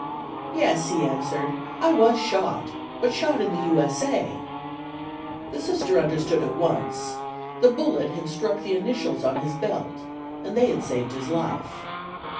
"Yes," he answered, "I was shot, but shot in the U. S. A." The Sister understood at once the bullet had struck the initials on his belt, and they had saved his life.